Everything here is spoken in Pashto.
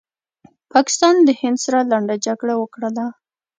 پاکستان د هند سره لنډه جګړه وکړله